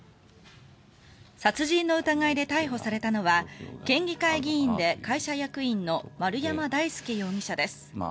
殺人の疑いで逮捕されたのは県議会議員で会社役員の丸山大輔容疑者です。